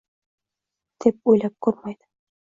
deb o’ylab ko’rmaydi